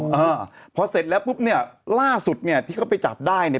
เมื่อเสร็จแล้วพบล่าสุดที่เขาไปจับได้